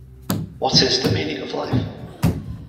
What is the meaning of life?